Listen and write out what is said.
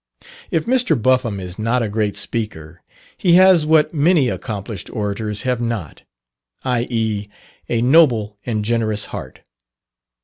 If Mr. Buffum is not a great speaker, he has what many accomplished orators have not i.e., a noble and generous heart.